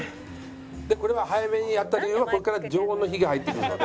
これは早めにやった理由はこれから常温の火が入ってくるので。